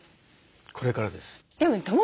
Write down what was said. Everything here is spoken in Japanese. これからです。